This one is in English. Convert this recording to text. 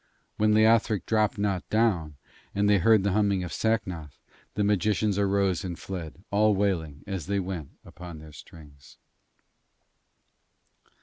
When Leothric dropped not down, and they heard the humming of Sacnoth, the magicians arose and fled, all wailing, as they went, upon their strings.